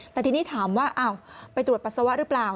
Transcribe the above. แต่ทีนี้ถามว่าไปตรวจปัสสาวะหรือเปล่า